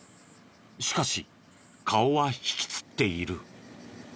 しかし顔は引きつっている。